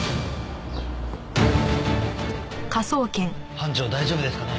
班長大丈夫ですかね？